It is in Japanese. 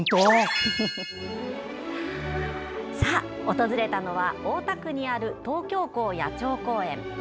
訪れたのは大田区にある東京港野鳥公園。